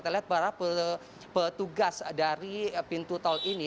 kita lihat para petugas dari pintu tol ini